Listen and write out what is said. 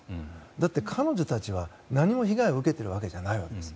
だって、彼女たちは何も被害を受けているわけじゃないです。